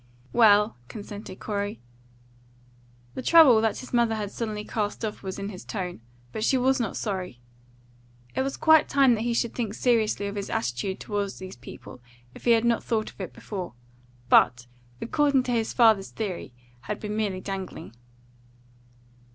"Well," consented Corey. The trouble that his mother had suddenly cast off was in his tone; but she was not sorry. It was quite time that he should think seriously of his attitude toward these people if he had not thought of it before, but, according to his father's theory, had been merely dangling.